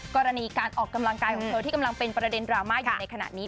กรณีการออกกำลังกายของเธอที่กำลังเป็นประเด็นดราม่าอยู่ในขณะนี้